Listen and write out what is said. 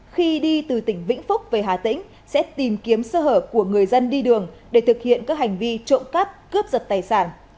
khi đi từ tỉnh vĩnh phúc về hà tĩnh sẽ tìm kiếm sơ hở của người dân đi đường để thực hiện các hành vi trộm cắp cướp giật tài sản